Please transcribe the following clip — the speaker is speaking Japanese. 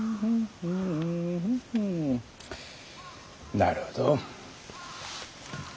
なるほど。